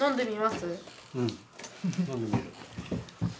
うん飲んでみる。